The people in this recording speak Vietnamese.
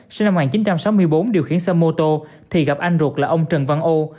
sinh năm một nghìn chín trăm sáu mươi bốn điều khiển xe mô tô thì gặp anh ruột là ông trần văn âu